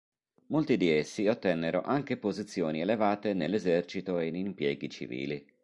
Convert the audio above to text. Molti di essi ottennero anche posizioni elevate nell'esercito e in impieghi civili.